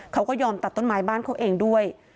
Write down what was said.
เขาก็ยอมตัดต้นไม้บ้านเขาเองด้วย